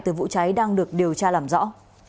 từ vụ cháy đang được điều tra làm rõ